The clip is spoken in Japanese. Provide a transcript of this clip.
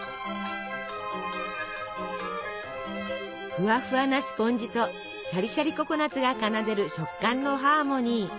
ふわふわなスポンジとシャリシャリココナツが奏でる食感のハーモニー。